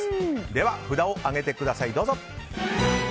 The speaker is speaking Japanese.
では、札を上げてください。